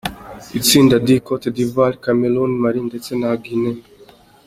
Itsinda D: cote d’Ivoire, Cameroun, Mali ndetse na Guine.